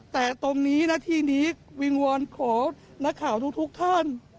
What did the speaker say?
แต่ตรงนี้หน้าที่นี้วิงวอนขอนักข่าวทุกท่าน